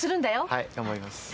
はい頑張ります。